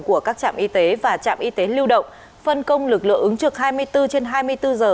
của các trạm y tế và trạm y tế lưu động phân công lực lượng ứng trực hai mươi bốn trên hai mươi bốn giờ